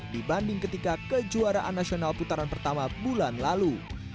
dibanding ketika kejuaraan nasional putaran pertama bulan lalu